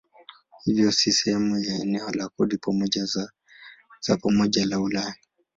Hivyo si sehemu ya eneo la kodi za pamoja la Ulaya.